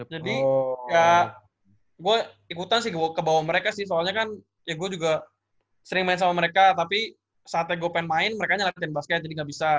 jadi ya gue ikutan sih ke bawah mereka sih soalnya kan ya gue juga sering main sama mereka tapi saatnya gue pengen main mereka nya latihan basket jadi gak bisa